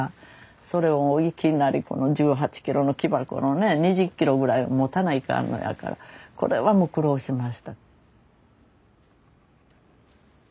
それをいきなり１８ｋｇの木箱のね２０ｋｇぐらい持たないかんのやからこれはもう苦労しました。